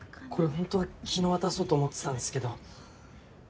本当は昨日渡そうと思ってたんですけど。